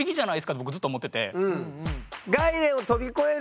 って僕ずっと思ってて。